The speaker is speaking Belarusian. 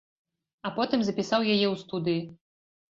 А потым запісаў яе ў студыі.